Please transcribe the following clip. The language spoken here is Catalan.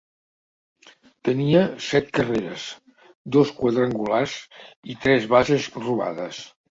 Tenia set carreres, dos quadrangulars i tres bases robades.